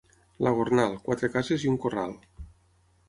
La Gornal, quatre cases i un corral.